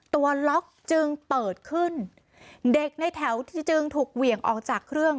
ตัวล็อกจึงเปิดขึ้นเด็กในแถวที่จึงถูกเหวี่ยงออกจากเครื่อง